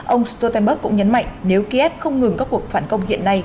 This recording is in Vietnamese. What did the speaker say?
ông stoltenberg cũng nhấn mạnh nếu kiev không ngừng các cuộc phản công hiện nay